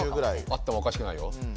あってもおかしくないよ。